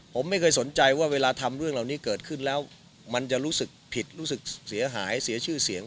ผมไม่เคยสนใจว่าเวลาทำเรื่องเหล่านี้เกิดขึ้นแล้วมันจะรู้สึกผิดรู้สึกเสียหายเสียชื่อเสียง